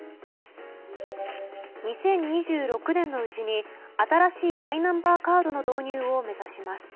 ２０２６年のうちに新しいマイナンバーカードの導入を目指します。